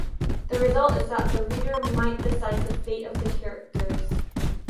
The result is that the reader might decide the fate of the characters.